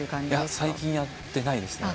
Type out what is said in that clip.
最近やってないですね。